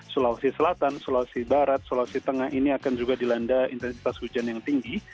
sulawesi selatan sulawesi barat sulawesi tengah ini akan juga dilanda intensitas hujan yang tinggi